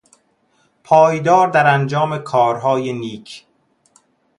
پایدار در انجام کارهای نیک